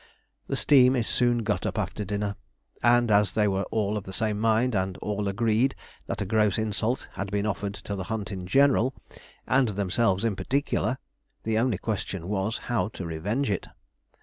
The steam is soon got up after dinner, and as they were all of the same mind, and all agreed that a gross insult had been offered to the hunt in general, and themselves in particular, the only question was, how to revenge it.